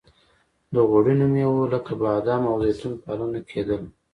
د غوړینو میوو لکه بادام او زیتون پالنه کیدله.